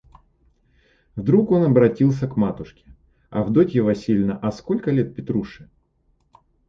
Вдруг он обратился к матушке: «Авдотья Васильевна, а сколько лет Петруше?»